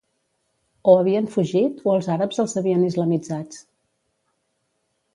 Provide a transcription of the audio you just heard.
O havien fugit o els àrabs els havien islamitzats.